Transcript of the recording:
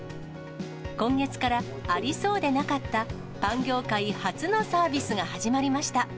今月からありそうでなかった、パン業界初のサービスが始まりました。